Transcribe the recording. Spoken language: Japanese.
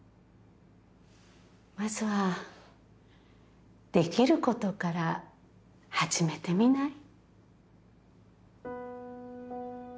まずはできることから始めてみない？